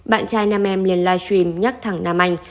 bạn trai nam em lên live stream nhắc thẳng nam anh